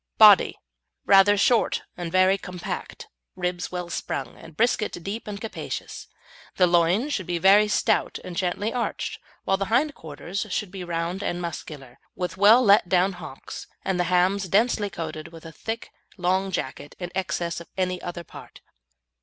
BODY Rather short and very compact, ribs well sprung, and brisket deep and capacious. The loin should be very stout and gently arched, while the hind quarters should be round and muscular, and with well let down hocks, and the hams densely coated with a thick long jacket in excess of any other part.